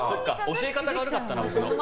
教え方が悪かったな、僕の。